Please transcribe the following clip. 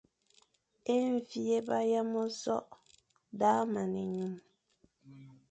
E mvi é yama nzokh daʼa man enyum.